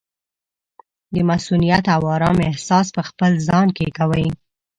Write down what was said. د مصؤنیت او ارام احساس پخپل ځان کې کوي.